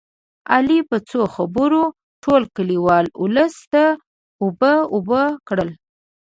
علي په څو خبرو ټول کلیوال اولس ته اوبه اوبه کړل